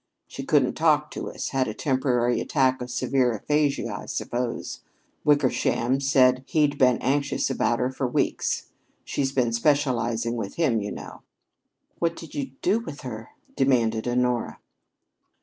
She couldn't talk to us had a temporary attack of severe aphasia, I suppose. Wickersham said he'd been anxious about her for weeks she's been specializing with him, you know." "What did you do with her?" demanded Honora.